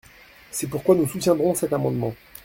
C’est pourquoi nous soutiendrons cet amendement.